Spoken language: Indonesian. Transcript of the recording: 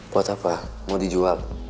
buat apa mau dijual